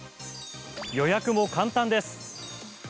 予約も簡単です。